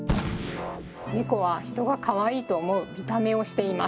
ネコは人がかわいいと思う見た目をしています。